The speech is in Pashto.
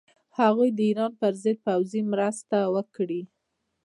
هغوی د ایران پر ضد پوځي مرسته وکړي.